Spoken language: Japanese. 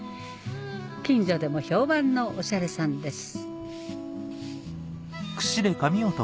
近所でも評判のおしゃれさんです